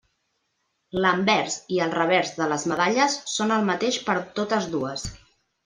L'anvers i el revers de les medalles són el mateix per totes dues.